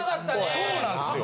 そうなんすよ。